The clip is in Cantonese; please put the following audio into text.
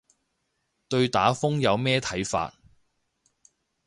對打風有咩睇法